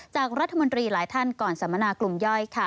จากรัฐมนตรีหลายท่านก่อนสัมมนากลุ่มย่อย